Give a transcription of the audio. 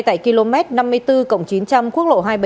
tại km năm mươi bốn chín trăm linh quốc lộ hai trăm bảy mươi chín